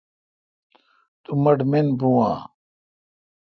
تو مٹھ مین بھو اؘ۔